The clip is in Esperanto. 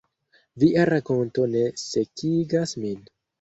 “Via rakonto ne sekigas min.”